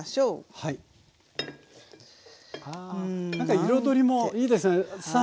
あなんか彩りもいいですね。